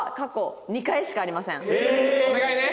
お願いね。